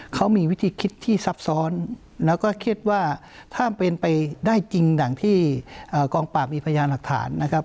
เขามีวิธีคิดที่ซับซ้อนแล้วก็คิดว่าถ้าเป็นไปได้จริงอย่างที่กองปราบมีพยานหลักฐานนะครับ